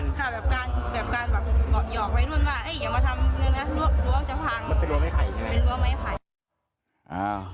เฮ่ยอยากมาทำเรื่องกันนะหัวจะพังมันเป็นหัวไม่ไผ่เหรอเป็นหัวไม่ไผ่